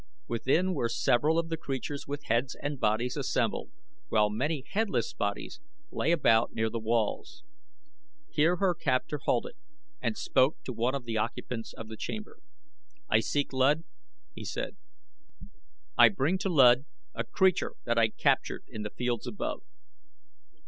Within were several of the creatures with heads and bodies assembled, while many headless bodies lay about near the walls. Here her captor halted and spoke to one of the occupants of the chamber. "I seek Luud," he said. "I bring to Luud a creature that I captured in the fields above."